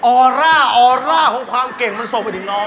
ออร่าออร่าของความเก่งมันส่งไปถึงน้อง